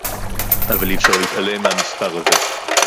אבל אי-אפשר להתעלם מהמספר הזה